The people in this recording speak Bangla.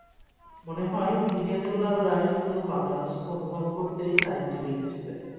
মনে হয়, দ্বিজেন্দ্র লাল রায় শুধু বাংলাদেশকে অনুভব করতেই লাইনটি লিখেছিলেন।